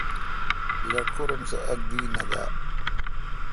لٹکور ام سہ اک دی نہ دا۔